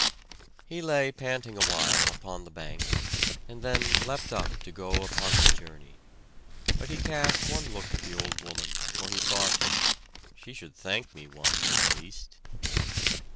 He lay panting awhile upon the bank, and then leapt up to go upon his journey; but he cast one look at the old woman, for he thought, "She should thank me once at least."